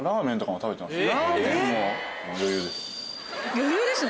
余裕ですね。